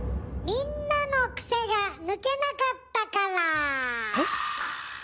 みんなのクセが抜けなかった？